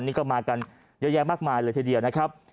นี่ก็มากันเยอะแยะมากมายเลยทีเดียวนะครับ